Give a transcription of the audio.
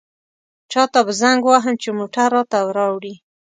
چاته به زنګ ووهم چې موټر راته راوړي.